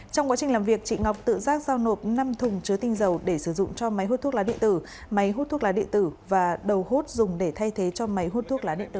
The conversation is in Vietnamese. trong quá trình làm việc chị ngọc tự giác giao nộp năm thùng chứa tinh dầu để sử dụng cho máy hút thuốc lá điện tử máy hút thuốc lá điện tử và đầu hút dùng để thay thế cho máy hút thuốc lá điện tử